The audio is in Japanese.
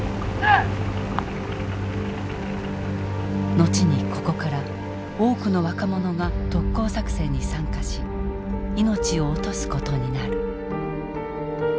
後にここから多くの若者が特攻作戦に参加し命を落とすことになる。